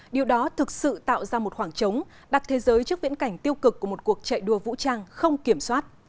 điều đó thực sự tạo ra một khoảng trống đặt thế giới trước viễn cảnh tiêu cực của một cuộc chạy đua vũ trang không kiểm soát